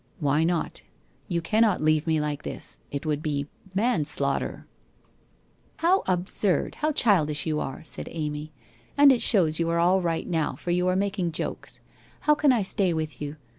'' Why not? You cannot leave me like this. It would be manslaughter.' 84 WHITE ROSE OF WEARY LEAF • lit nv absurd, how childish you aro,' said Amy. 'And it shows you are all right now, for you are making jokea. How can I stay with you?